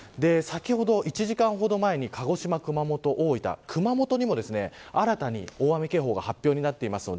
先ほど、１時間ほど前に鹿児島、熊本、大分熊本にも新たに大雨警報が発表になっています。